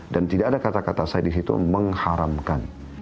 dan tidak ada kata kata saya di situ mengharamkan